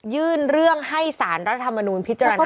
ยื่นเรื่องให้สารรัฐมนุนพิจารณาใหม่